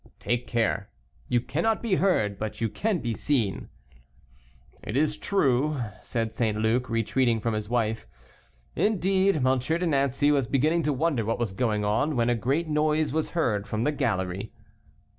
"Take care, you cannot be heard, but you can be seen." "It is true," said St. Luc, retreating from his wife. Indeed, M. de Nancey was beginning to wonder what was going on, when a great noise was heard from the gallery.